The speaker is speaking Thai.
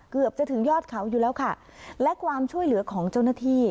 เกือบจะถึงยอดเขาอยู่แล้วค่ะและความช่วยเหลือของเจ้าหน้าที่